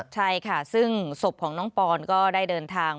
ใช่ค่ะซึ่งศพของน้องปอนก็ได้เดินทาง